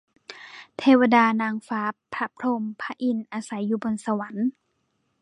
เทวดา นางฟ้า พระพรหม พระอินทร์ อาศัยอยู่บนสวรรค์